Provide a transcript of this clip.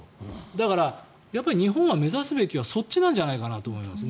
だから、日本は目指すべきはそっちじゃないかなと思います。